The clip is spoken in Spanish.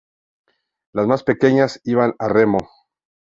Las más pequeñas iban a remo.